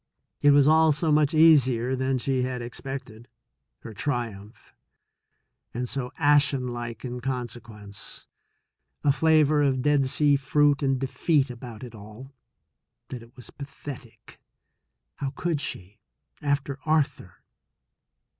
It was all so much easier than she had expected — her triumph — and so ashenlike THE SECOND CHOICE 157 in consequence, a flavor of dead sea fruit and defeat about it all, that it was pathetic. How could she, after Arthur?